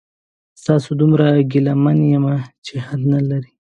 د تاسو دومره ګیله من یمه چې حد نلري